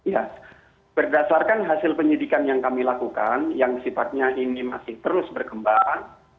ya berdasarkan hasil penyidikan yang kami lakukan yang sifatnya ini masih terus berkembang